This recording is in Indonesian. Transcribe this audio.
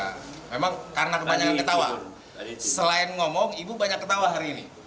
karena memang karena kebanyakan ketawa selain ngomong ibu banyak ketawa hari ini